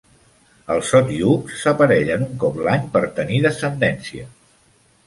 Els otyughs s'aparellen un cop l'any per tenir descendència.